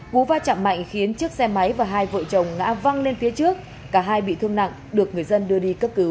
cú va chạm mạnh khiến chiếc xe máy và hai vợ chồng ngã văng lên phía trước cả hai bị thương nặng được người dân đưa đi cấp cứu